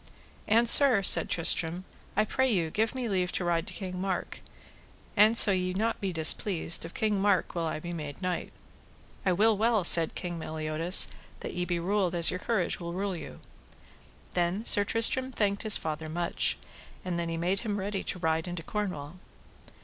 And sir, said Tristram, I pray you give me leave to ride to King Mark; and, so ye be not displeased, of King Mark will I be made knight. I will well, said King Meliodas, that ye be ruled as your courage will rule you. Then Sir Tristram thanked his father much. And then he made him ready to ride into Cornwall.